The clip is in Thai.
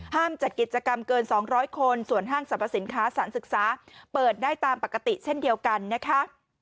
จัดกิจกรรมเกิน๒๐๐คนส่วนห้างสรรพสินค้าสารศึกษาเปิดได้ตามปกติเช่นเดียวกันนะคะ